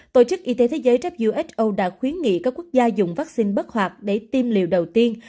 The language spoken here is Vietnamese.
tổ chức y tế thế giới who đã khuyến nghị các quốc gia dùng vaccine bất hoạt để tiêm liều đầu tiên